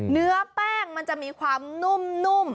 เนื้อแป้งมันจะมีความนุ่ม